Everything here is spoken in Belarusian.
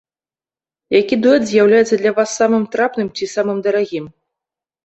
Які дуэт з'яўляецца для вас самым трапным ці самым дарагім?